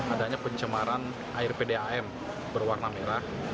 adanya pencemaran air pdam berwarna merah